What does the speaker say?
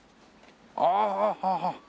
ああ。